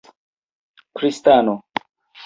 kristano